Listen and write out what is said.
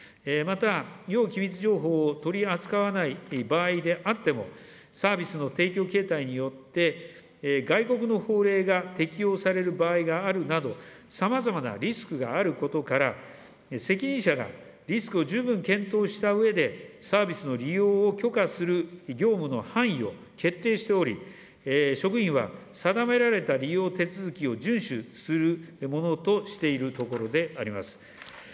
また、要機密情報を取り扱わない場合であっても、サービスの提供形態によって、外国の法令が適用される場合があるなど、さまざまなリスクがあることから、責任者がリスクを十分検討したうえで、サービスの利用を許可する業務の範囲を決定しており、職員は定められた利用手続きを順守するものとしているところであります。